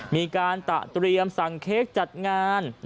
มีการตะเตรียมสั่งเค้กจัดงาน